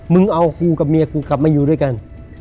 มึงเอากูกับเมียกูกลับมาอยู่ด้วยกัน